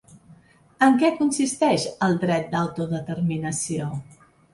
En què consisteix el dret d’autodeterminació?